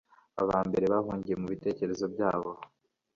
abambere bahugiye mubitekerezo byabo